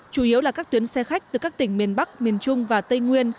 chủ yếu là các tuyến xe khách từ các tỉnh miền bắc miền trung và tây nguyên